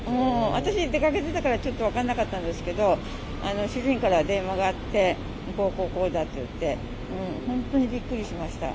私、出かけてたから、ちょっと分からなかったんですけど、主人から電話があって、こうこうこうだって言って、本当にびっくりしました。